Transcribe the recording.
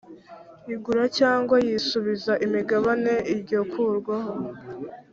igura cyangwa yisubiza imigabane iryo kurwaho